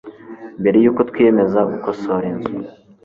Mbere yuko twiyemeza gukosora inzu